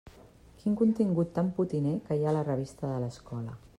Quin contingut tan potiner que hi ha a la revista de l'escola!